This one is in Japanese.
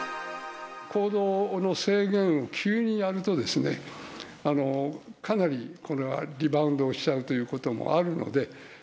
行動の制限を急にやると、かなりリバウンドをしちゃうということもあるので。